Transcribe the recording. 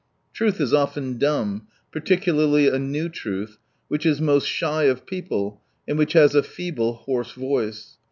Truth is often dumb, particularly a new truth, which is most shy of people, and which has a feeble, hoarse voice.